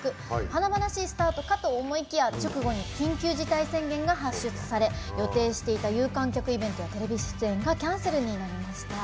華々しいスタートかと思いきや直後に緊急事態宣言が発出され予定していた有観客イベントやテレビ出演がキャンセルになりました。